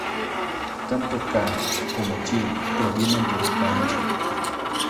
Tanto お como オ provienen del kanji 於.